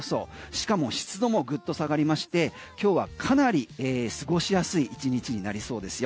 しかも湿度もぐっと下がりまして今日はかなり過ごしやすい１日になりそうですよ。